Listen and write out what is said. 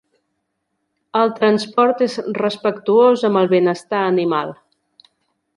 El transport és respectuós amb el benestar animal.